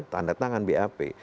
tanda tangan bap